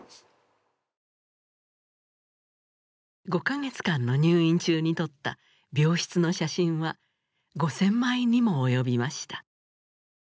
５か月間の入院中に撮った病室の写真は５，０００枚にも及びました。